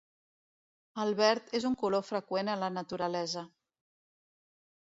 El verd és un color freqüent en la naturalesa.